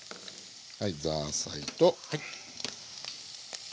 はいザーサイと豆。